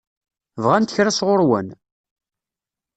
Bɣant kra sɣur-wen?